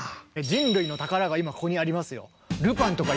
人類の宝が今ここにありますよ。